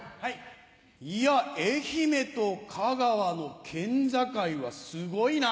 いや愛媛と香川の県境はスゴいな！